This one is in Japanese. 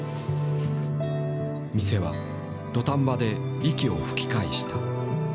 店は土壇場で息を吹き返した。